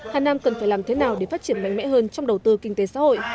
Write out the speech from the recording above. hà nam cần phải làm thế nào để phát triển mạnh mẽ hơn trong đầu tư kinh tế xã hội